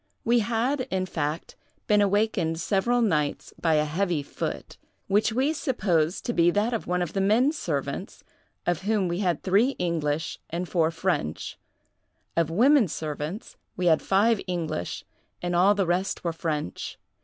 We had, in fact, been awakened several nights by a heavy foot, which we supposed to be that of one of the men servants, of whom we had three English and four French; of women servants we had five English, and all the rest were French.